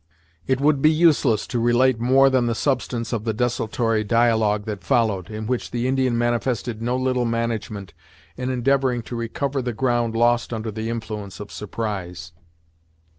It would be useless to relate more than the substance of the desultory dialogue that followed, in which the Indian manifested no little management, in endeavoring to recover the ground lost under the influence of surprise.